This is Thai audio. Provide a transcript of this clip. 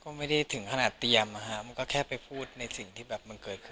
ก็ไม่ได้ถึงขนาดเตรียมมันก็แค่ไปพูดในสิ่งที่เกิดขึ้นแค่นี้ครับ